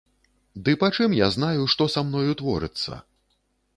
Ды пачым я знаю, што са мною творыцца?